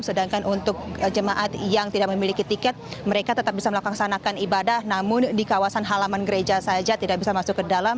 sedangkan untuk jemaat yang tidak memiliki tiket mereka tetap bisa melaksanakan ibadah namun di kawasan halaman gereja saja tidak bisa masuk ke dalam